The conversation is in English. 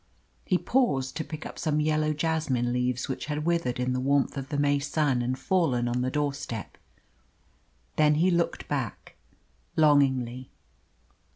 He paused to pick up some yellow jasmine leaves which had withered in the warmth of the May sun and fallen on the doorstep. Then he looked back longingly.